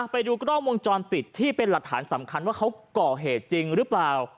ไปดูกล้องวงจรปิดที่เป็นหลักฐานสำคัญว่าเขาก่อเหตุจริงหรือเปล่า